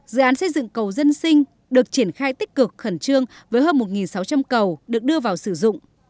dự án xây dựng cầu dân sinh được triển khai tích cực khẩn trương với hơn một sáu trăm linh cầu được đưa vào sử dụng